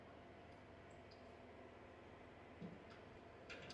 Městská rada se v tomto odvolala k ministerstvu kultu a vyučování.